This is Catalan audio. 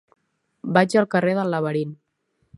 Vaig al carrer del Laberint.